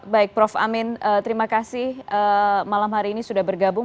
baik prof amin terima kasih malam hari ini sudah bergabung